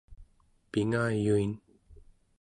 pingayuin